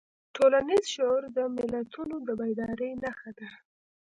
ټولنیز شعور د ملتونو د بیدارۍ نښه ده.